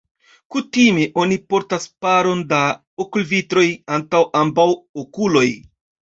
Kutime oni portas paron da okulvitroj antaŭ ambaŭ okuloj.